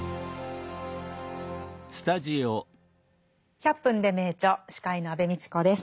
「１００分ｄｅ名著」司会の安部みちこです。